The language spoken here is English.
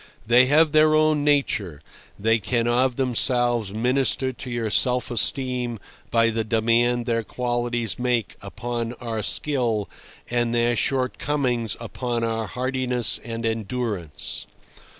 They have their own nature; they can of themselves minister to our self esteem by the demand their qualities make upon our skill and their shortcomings upon our hardiness and endurance.